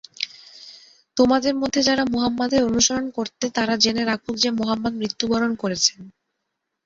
তোমাদের মধ্যে যারা মুহাম্মাদের অনুসরণ করতে তারা জেনে রাখুক যে মুহাম্মাদ মৃত্যুবরণ করেছেন।